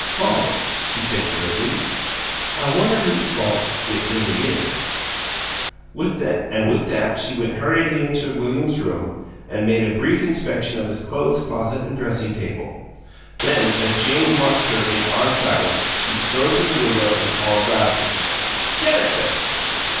"Fault?" she said, gravely. "I wonder whose fault it really is!" And with that she went hurriedly into William's room and made a brief inspection of his clothes closet and dressing table. Then, as Jane watched her in awed silence, she strode to the window, and called, loudly: "Genesis!"